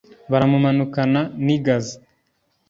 baramumanukana n'i gaza